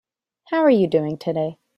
How are you doing today?